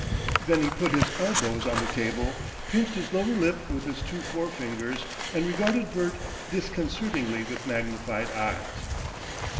Then he put his elbows on the table, pinched his lower lip with his two fore fingers, and regarded Bert disconcertingly with magnified eyes.